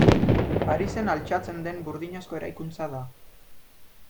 Parisen altxatzen den burdinazko eraikuntza da.